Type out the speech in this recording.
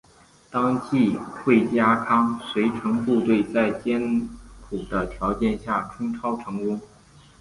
当季惠家康随成都队在艰苦的条件下冲超成功。